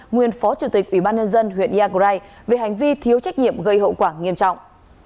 nguyên phó chủ tịch ủy ban nhân dân huyện iagrai về hành vi thiếu trách nhiệm gây hậu quả nghiêm trọng